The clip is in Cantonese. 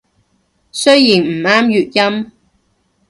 雖然唔啱粵音